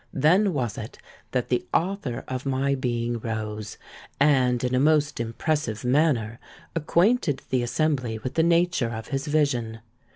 Then was it that the author of my being rose, and, in a most impressive manner, acquainted the assembly with the nature of his vision.